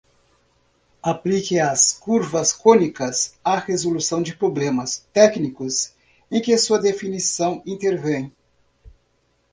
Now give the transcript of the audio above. Aplique as curvas cônicas à resolução de problemas técnicos em que sua definição intervém.